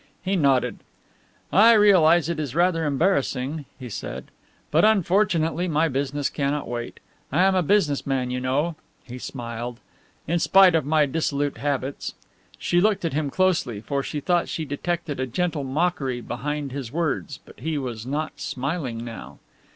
He nodded. "I realize it is rather embarrassing," he said, "but unfortunately my business cannot wait. I am a business man, you know," he smiled, "in spite of my dissolute habits." She looked at him closely, for she thought she detected a gentle mockery behind his words, but he was not smiling now.